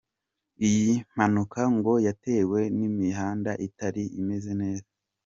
Iyi mpanuka ngo yatewe n’ imihanda itari imeze neza.